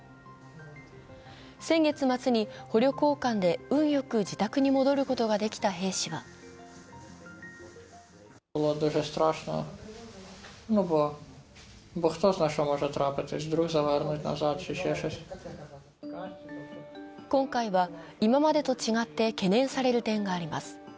先月末に捕虜交換で運良く自宅に戻ることができた兵士は今回は今までと違って懸念される点があります。